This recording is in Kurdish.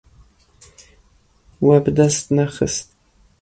We bi dest nexist.